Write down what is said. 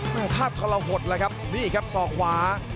ท่าทะละหดนะครับนี่ครับศอกขวา